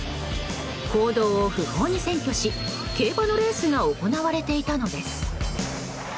公道を不法に占拠し競馬のレースが行われていたのです。